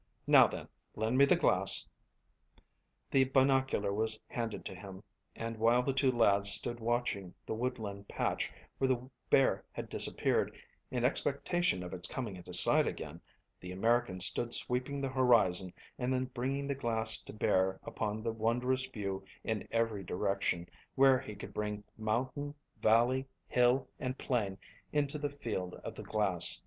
Now then, lend me the glass." The binocular was handed to him, and while the two lads stood watching the woodland patch where the bear had disappeared, in expectation of its coming into sight again, the American stood sweeping the horizon and then bringing the glass to bear upon the wondrous view in every direction where he could bring mountain, valley, hill, and plain into the field of the glass.